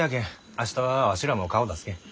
明日はワシらも顔出すけん。